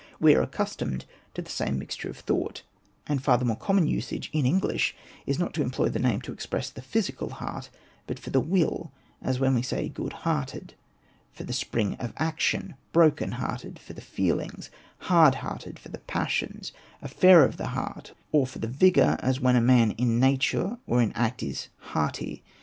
We are accustomed to the same mixture of thought ; and far the more common usage in English is not to employ the name to express the physical heart, but for the will, as when we say '^ good hearted"; — for the spring of action, " broken hearted '';— for the feelings, '^hard hearted"; — for the passions, ^^ an affair of the heart ";— or for the vigour, as when a man in nature or in act is '' hearty."